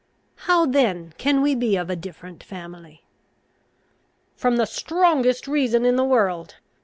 How then can we be of a different family?" "From the strongest reason in the world.